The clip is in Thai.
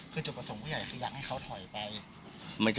คือจุดประสงค์ผู้ใหญ่คืออยากให้เขาถอยไป